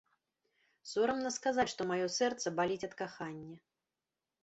Сорамна сказаць, што маё сэрца баліць ад кахання.